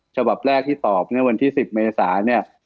ฉบับแรกที่ตอบเมื่อวันที่๑๐เมษาเนี่ย